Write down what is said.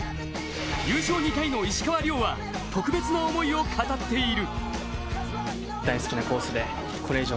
優勝２回の石川遼は特別な思いを語っている。